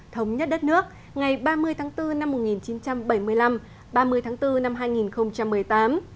thống nhất đất nước ngày ba mươi tháng bốn năm một nghìn chín trăm bảy mươi năm ba mươi tháng bốn năm hai nghìn một mươi tám